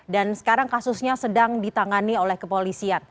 dan sekarang kasusnya sedang ditangani oleh kepolisian